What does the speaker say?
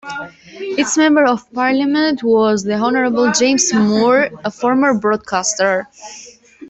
Its Member of Parliament was The Honourable James Moore, a former broadcaster.